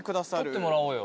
撮ってもらおうよ。